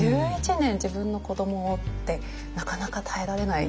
１１年自分の子どもをってなかなか耐えられない。